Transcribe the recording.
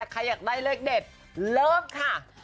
ใครอยากได้เลือกเด็ดเริ่มค่ะ